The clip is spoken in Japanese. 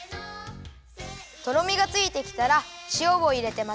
とろみがついてきたらしおをいれてまぜます。